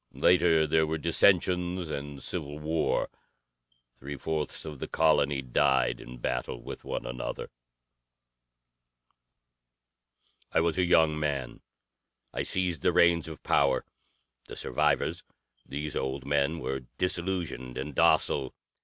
Later there were dissensions and civil war. Three fourths of the colony died in battle with one another. "I was a young man. I seized the reins of power. The survivors these old men were disillusioned and docile.